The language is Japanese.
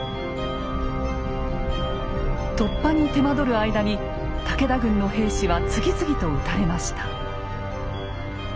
突破に手間取る間に武田軍の兵士は次々と討たれました。